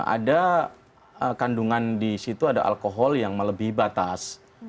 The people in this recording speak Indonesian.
ada kandungan di situ ada alkohol yang melebihi batas